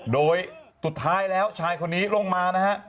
โดยสุดท้ายแล้วชายคนนี้ลงมานะฮะ